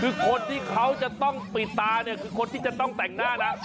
คือคนที่เขาจะต้องปิดตาเนี่ยคือคนที่จะต้องแต่งหน้าแล้ว